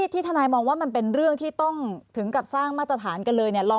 ที่ทนายมองว่ามันเป็นเรื่องที่ต้องถึงกับสร้างมาตรฐานกันเลยเนี่ย